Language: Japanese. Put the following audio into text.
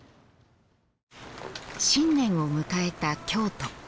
新年を迎えた京都。